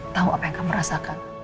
tahu apa yang kamu rasakan